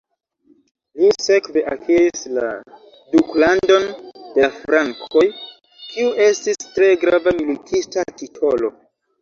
Li sekve akiris la "Duklandon de la Frankoj", kiu estis tre grava militista titolo.